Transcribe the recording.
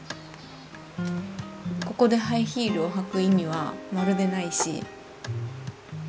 ここでハイヒールを履く意味はまるでないし。